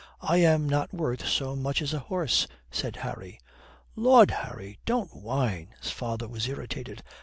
I am not worth so much as a horse," said Harry. "Lud, Harry, don't whine," his father was irritated.